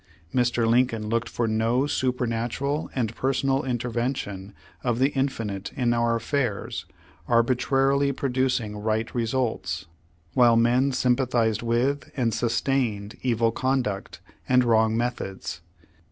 Mr. Lincoln looked for no supernatural and personal intervention of the Infinite in our affairs, arbitrarily producing right results, while men sympathized with and sus tained evil conduct, and wrong methods.